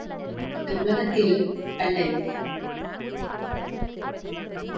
இந்த உலகத்தில் கல்லை.